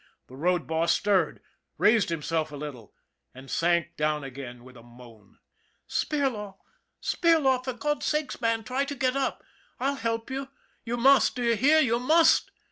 The road boss stirred, raised himself a little, and sank down again with a moan. " Spirlaw, Spirlaw, for God's sake, man, try to get up! I'll help you. You must, do you hear, you must!"